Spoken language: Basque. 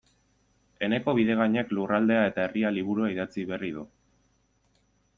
Eneko Bidegainek Lurraldea eta Herria liburua idatzi berri du.